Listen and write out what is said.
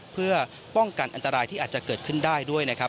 เพื่อป้องกันอันตรายที่อาจจะเกิดขึ้นได้ด้วยนะครับ